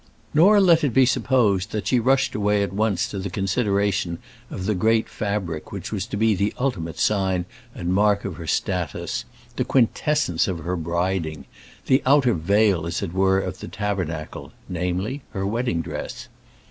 Nor let it be supposed that she rushed away at once to the consideration of the great fabric which was to be the ultimate sign and mark of her status, the quintessence of her briding, the outer veil, as it were, of the tabernacle namely, her wedding dress.